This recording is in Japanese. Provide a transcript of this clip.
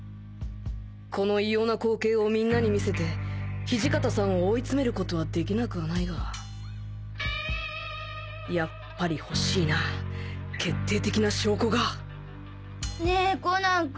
この異様な光景をみんなに見せて土方さんを追いつめることはできなくはないがやっぱり欲しいな決定的な証拠がねえコナン君